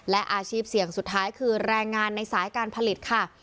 และอาชีพเสี่ยงสุดท้ายคือแรงงานในสายการผลิตค่ะ